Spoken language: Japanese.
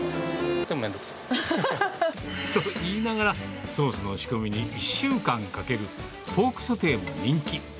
でもめんどくさい。と言いながら、ソースの仕込みに１週間かけるポークソテーも人気。